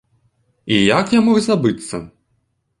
І як я мог забыцца!